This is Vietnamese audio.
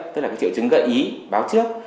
tức là triệu chứng gợi ý báo trước